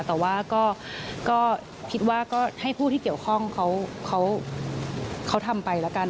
แต่ว่าก็คิดว่าก็ให้ผู้ที่เกี่ยวข้องเขาทำไปแล้วกัน